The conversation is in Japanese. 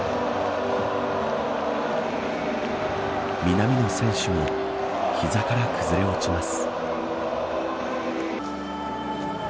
南野選手も膝から崩れ落ちます。